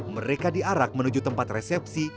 mereka diarak menuju tempat resepsi